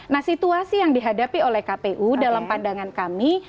nah situasi yang dihadapi oleh kpu dalam pandangan kami